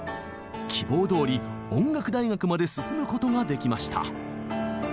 希望どおり音楽大学まで進むことができました。